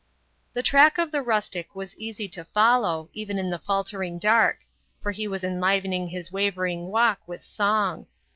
The track of the rustic was easy to follow, even in the faltering dark; for he was enlivening his wavering walk with song.